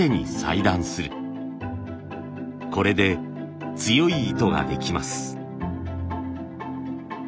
これで強い糸ができます。